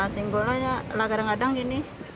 singgulnya kadang kadang begini